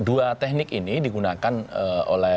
nah dua teknik ini digunakan oleh beberapa pihak yang lainnya